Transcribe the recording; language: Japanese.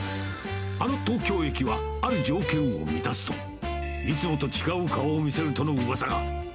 あの東京駅は、ある条件を満たすと、いつもと違う顔を見せるとのうわさが。